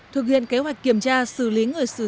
thực hiện kế hoạch kiểm tra xử lý người xử lý